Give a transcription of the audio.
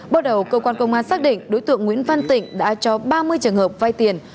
bước đầu cơ quan công an xác định đối tượng nguyễn văn tịnh đã cho ba mươi trường hợp vai tiền